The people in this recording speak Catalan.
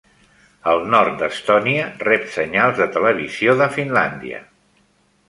El nord d'Estonia rep senyals de televisió de Finlàndia.